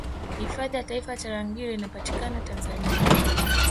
Hifadhi ya Taifa ya Tarangire inapatikana Tanzania